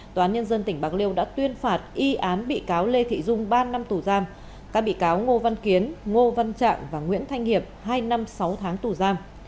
tòa án nhân dân tỉnh bạc liêu đã tuyên phạt y án bị cáo lê thị dung ba năm tù giam các bị cáo ngô văn kiến ngô văn trạng và nguyễn thanh hiệp hai năm sáu tháng tù giam